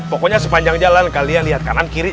pokoknya sepanjang jalan kalian lihat kanan kiri